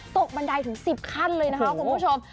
บันไดถึง๑๐ขั้นเลยนะคะคุณผู้ชม